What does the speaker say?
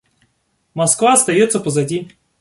Москва остается позади.